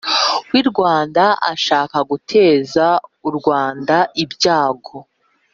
wirwanda ashaka guteza urwanda ibyago